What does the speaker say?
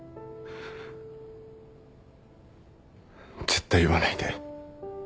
絶対言わないで。